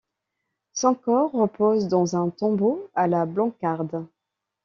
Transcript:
Son corps repose dans un tombeau à la Blancarde.